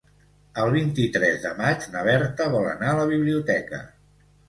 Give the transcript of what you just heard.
El vint-i-tres de maig na Berta vol anar a la biblioteca.